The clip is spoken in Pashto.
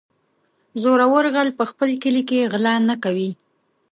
- زورور غل په خپل کلي کې غلا نه کوي.